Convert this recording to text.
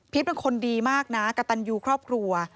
เป็นคนดีมากนะกระตันยูครอบครัว